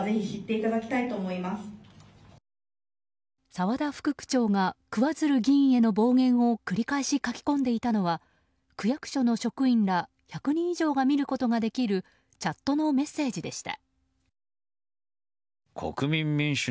沢田副区長が桑水流議員への暴言を繰り返し書き込んでいたのは区役所の職員ら１００人以上が見ることができるチャットのメッセージでした。